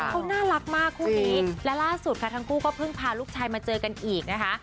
เขาน่ารักมากคู่นี้และล่าสุดค่ะทั้งคู่ก็เพิ่งพาลูกชายมาเจอกันอีกนะคะ